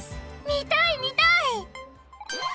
見たい見たい！